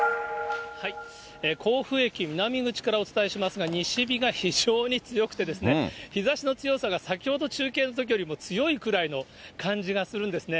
甲府駅南口からお伝えしますが、西日が非常に強くてですね、日ざしの強さが、先ほどの中継のときより強いくらいの感じがするんですね。